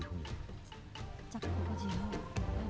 chắc có gì không